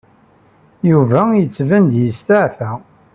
Yuba yettban-d yesteɛfa.